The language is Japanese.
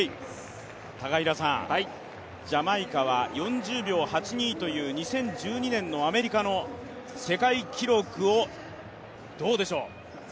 高平さん、ジャマイカは４０秒８２という２０１２年のアメリカの世界記録を、どうでしょう？